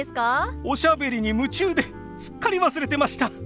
おしゃべりに夢中ですっかり忘れてました。